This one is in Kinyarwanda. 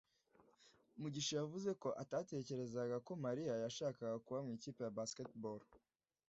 mugisha yavuze ko atatekerezaga ko mariya yashakaga kuba mu ikipe ya basketball